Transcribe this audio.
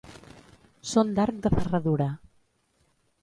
Són d'arc de ferradura.